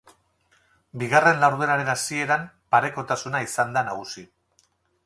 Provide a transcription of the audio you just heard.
Bigarren laurdenaren hasieran parekotasuna izan da nagusi.